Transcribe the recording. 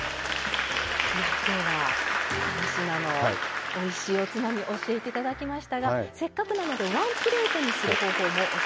今日は３品のおいしいおつまみを教えて頂きましたがせっかくなのでワンプレートにする方法も教えて頂きましょう。